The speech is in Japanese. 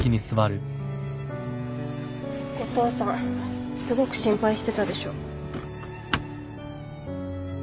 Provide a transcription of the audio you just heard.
お父さんすごく心配してたでしょ。